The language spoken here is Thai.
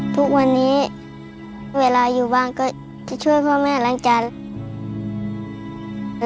ทุกวันนี้เวลาอยู่บ้านก็จะช่วยพ่อแม่ล้างจาน